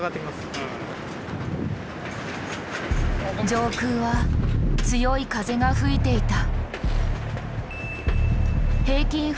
上空は強い風が吹いていた。